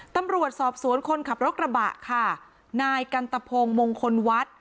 ตำรวจสอบสวนคนขับรถกระบะค่ะนายกันตะพงมงคลวัด